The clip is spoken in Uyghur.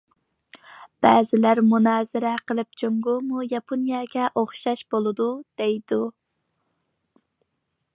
بەزىلەر مۇنازىرە قىلىپ، جۇڭگومۇ ياپونىيەگە ئوخشاش بولىدۇ، دەيدۇ.